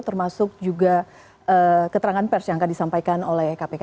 termasuk juga keterangan pers yang akan disampaikan oleh kpk